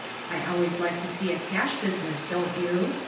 (I always like to see a cash business, don't you?)